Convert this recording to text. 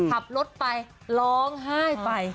ขับรถไปร้องไห้ไป